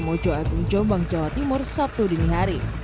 mojo agung jombang jawa timur sabtu dini hari